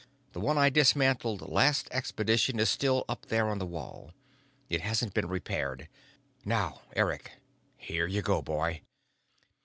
"The one I dismantled last expedition is still up there on the wall. It hasn't been repaired. Now Eric. Here you go, boy."